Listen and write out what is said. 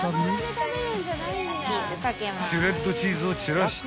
［シュレッドチーズを散らして］